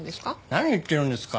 何言ってるんですか。